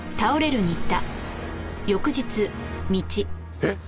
えっ！